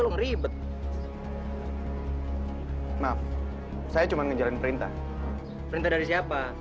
lepasin pak randy